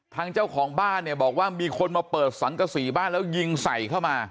ทางเจ้าของบ้านเนี่ยบอกว่ามีคนมาเปิดสังกษีบ้านแล้วยิงใส่เข้ามา